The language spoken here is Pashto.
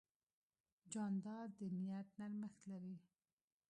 جانداد د نیت نرمښت لري.